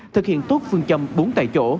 thực hiện tốt phương châm bốn tại chỗ